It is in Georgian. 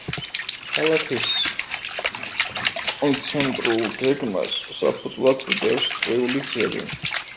ქალაქის კონცენტრულ გეგმას საფუძვლად უდევს წრიული გზები.